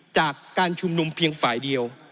จากการชุมนุมเพียงฝ่ายเดียว